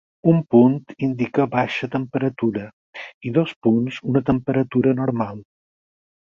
Un punt indica baixa temperatura i dos punts una temperatura normal.